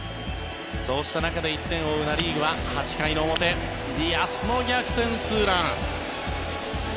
そうした中で１点を追うナ・リーグは８回の表ディアスの逆転ツーラン。